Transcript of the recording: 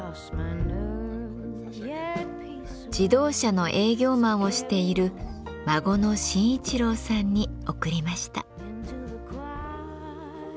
自動車の営業マンをしている孫の真一郎さんに贈りました。